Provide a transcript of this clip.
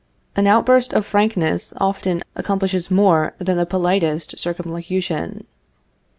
An outburst of frankness often accomplishes more than the politest circumlocution.